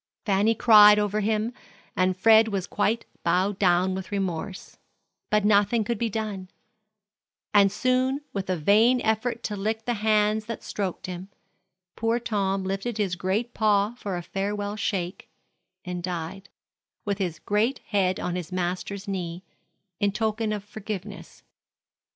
Fanny cried over him, and Fred was quite bowed down with remorse; but nothing could be done, and soon, with a vain effort to lick the hands that stroked him, poor Tom lifted his great paw for a farewell shake, and died, with his great head on his master's knee, in token of forgiveness.